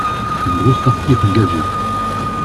Une grosse partie est engagée.